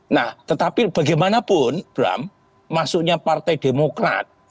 nah tetapi bagaimanapun bram masuknya partai demokrat